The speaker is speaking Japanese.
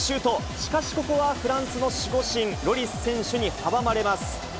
しかしここはフランスの守護神、ロリス選手に阻まれます。